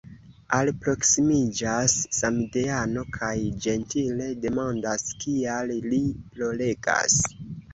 Alproksimiĝas samideano kaj ĝentile demandas, kial li ploregas.